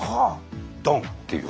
ドンっていう。